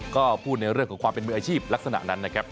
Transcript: ก็พูดในเรื่องของความเป็นมืออาชีพลักษณะนั้นนะครับ